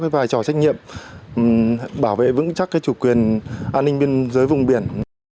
vài trò trách nhiệm bảo vệ vững chắc chủ quyền an ninh biên giới vùng biển